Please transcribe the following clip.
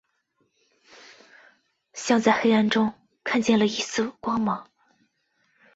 像在黑暗中看见一线光芒